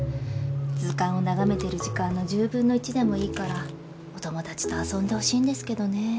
図鑑を眺めてる時間の１０分の１でもいいからお友達と遊んでほしいんですけどね。